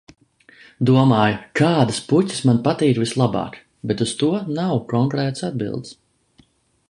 Domāju, kādas puķes man patīk vislabāk, bet uz to nav konkrētas atbildes.